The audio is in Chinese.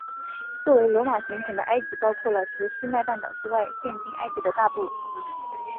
作为罗马行省的埃及包括了除西奈半岛之外现今埃及的大部。